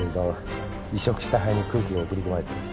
移植した肺に空気が送り込まれてる。